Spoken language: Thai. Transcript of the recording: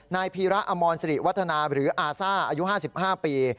นายพีระอมรสิริวัฒนาหรืออาซ่าอายุ๕๕ปี